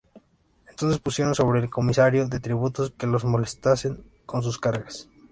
Entonces pusieron sobre él comisarios de tributos que los molestasen con sus cargas.